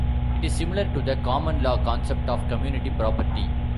It is similar to the common law concept of community property.